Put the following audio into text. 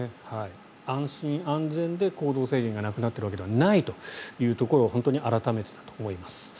安心安全で行動制限がなくなっているわけではないというところ本当に改めてだと思います。